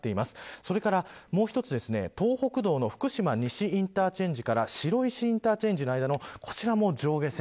それからもう１つ、東北道の福島西インターチェンジから白石インターチェンジの間のこちらも上下線。